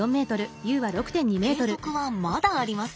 計測はまだあります。